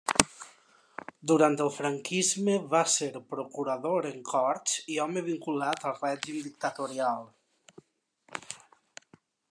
Durant el franquisme va ser Procurador en Corts i home vinculat al règim dictatorial.